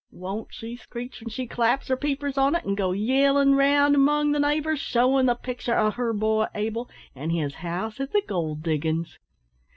Won't she screech when she claps her peepers on't, an' go yellin' round among the neighbours, shewin' the pictur' o' `her boy Abel,' an' his house at the gold diggin's?"